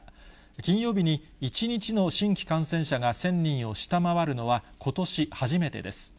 金曜日に１日の新規感染者が１０００人を下回るのは、ことし初めてです。